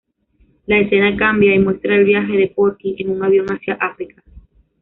La escena cambia y muestra el viaje de Porky en un avión hacia África.